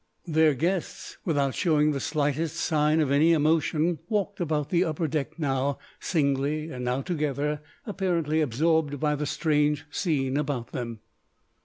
Their guests, without showing the slightest sign of any emotion, walked about the upper deck now, singly and now together, apparently absorbed by the strange scene about them.